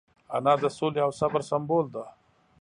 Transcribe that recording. انا د سولې او صبر سمبول ده